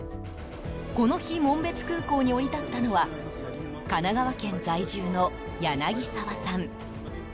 この日紋別空港に降り立ったのは神奈川県在住の柳沢さん。